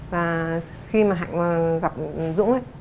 và khi mà hạnh gặp dũng